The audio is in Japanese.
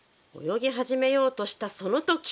泳ぎ始めようとしたその時。